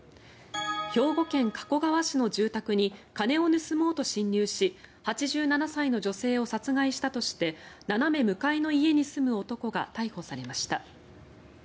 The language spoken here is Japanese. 兵庫県加古川市の住宅に金を盗もうと侵入し８７歳の女性を殺害したとして斜め向かいの家に住む男が逮捕されました。